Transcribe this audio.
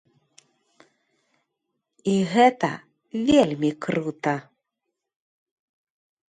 І гэта вельмі крута.